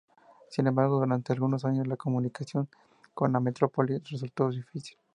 Sin embargo, durante algunos años la comunicación con la metrópoli resultó difícil.